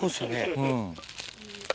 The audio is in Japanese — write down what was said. うん。